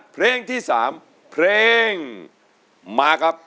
เพลงที่๓เพลงมาครับ